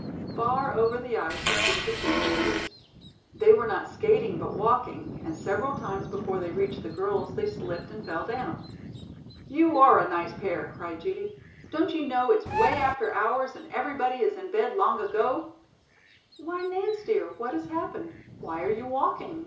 Far over the ice appeared the two figures. They were not skating but walking, and several times before they reached the girls they slipped and fell down. "You are a nice pair," cried Judy. "Don't you know it's way after hours and everybody is in bed long ago?" "Why, Nance, dear, what has happened? Why are you walking?"